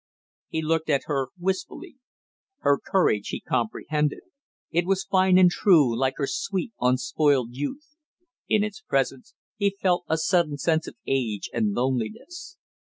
He looked at her wistfully. Her courage he comprehended. It was fine and true, like her sweet unspoiled youth; in its presence he felt a sudden sense of age and loneliness.